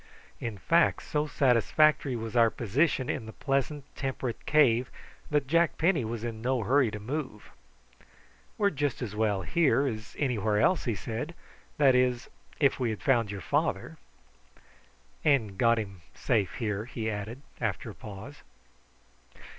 In fact so satisfactory was our position in the pleasant temperate cave that Jack Penny was in no hurry to move. "We're just as well here as anywhere else," he said; "that is, if we had found your father." "And got him safe here," he added after a pause.